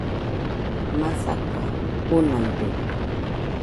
masaka junaide